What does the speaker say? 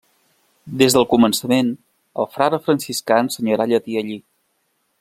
Des del començament, el frare franciscà ensenyarà llatí allí.